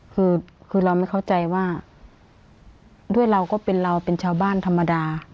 คือคือเราไม่เข้าใจว่าด้วยเราก็เป็นเราเป็นชาวบ้านธรรมดา